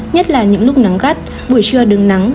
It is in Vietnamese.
nhất là những lúc nắng gắt buổi trưa đừng nắng